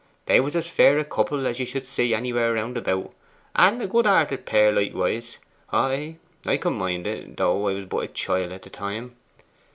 They was as fair a couple as you should see anywhere round about; and a good hearted pair likewise. Ay, I can mind it, though I was but a chiel at the time.